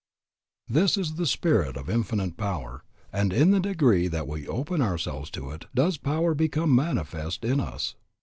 This is the Spirit of Infinite Power, and in the degree that we open ourselves to it does power become manifest in us.